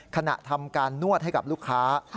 ขณะทำการนวดให้กับลูกค้า